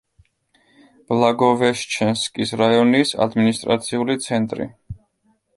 ბლაგოვეშჩენსკის რაიონის ადმინისტრაციული ცენტრი.